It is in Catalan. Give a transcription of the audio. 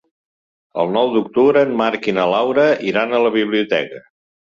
El nou d'octubre en Marc i na Laura iran a la biblioteca.